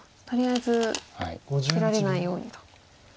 とりあえず切られないようにと。